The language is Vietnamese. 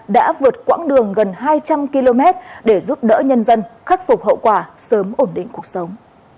đã vượt quãng đường gần hai trăm linh km để giúp đỡ nhân dân khắc phục hậu quả sớm ổn định cuộc sống